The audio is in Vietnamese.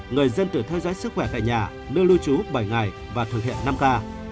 người dân tử theo dõi sức khỏe tại nhà lưu trú bảy ngày và thực hiện năm k